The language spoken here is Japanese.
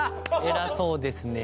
偉そうですね。